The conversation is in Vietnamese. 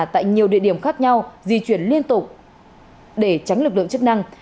tại nhiều địa điểm khác nhau di chuyển liên tục để tránh lực lượng chức năng